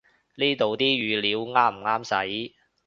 呢度啲語料啱唔啱使